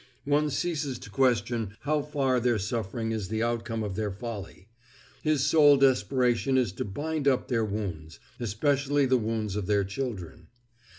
One ceases to question how far their suffering is the outcome of their folly; his sole desperation is to bind up their wounds—especially the wounds of their children.